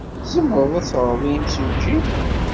Tzemreḍ ad d-teɣreḍ i yemsujji?